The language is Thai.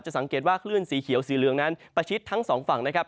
สังเกตว่าคลื่นสีเขียวสีเหลืองนั้นประชิดทั้งสองฝั่งนะครับ